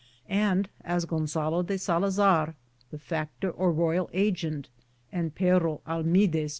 And as Gonzalo de Salazar, the factor or royal agent, and Fero Almidez.